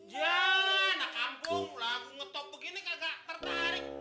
jangan lah kampung lagu ngetop begini kagak tertarik